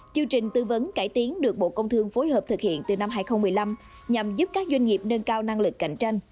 chương trình tư vấn cải tiến được bộ công thương phối hợp thực hiện từ năm hai nghìn một mươi năm nhằm giúp các doanh nghiệp nâng cao năng lực cạnh tranh